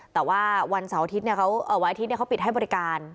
แต่ว่าวันอาทิตย์เขาปิดให้บริการ